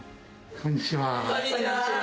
こんにちは。